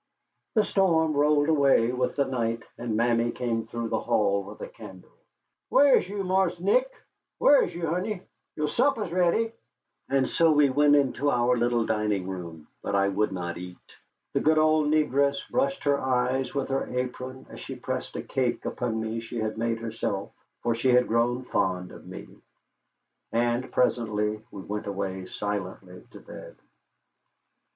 The storm rolled away with the night, and Mammy came through the hall with a candle. "Whah is you, Marse Nick? Whah is you, honey? You' suppah's ready." And so we went into our little dining room, but I would not eat. The good old negress brushed her eyes with her apron as she pressed a cake upon me she had made herself, for she had grown fond of me. And presently we went away silently to bed.